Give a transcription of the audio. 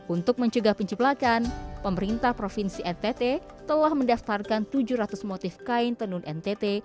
untuk mencegah penceplakan pemerintah provinsi ntt telah mendaftarkan tujuh ratus motif kain tenun ntt